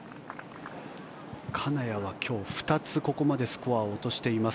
金谷は今日２つここまでスコアを落としています。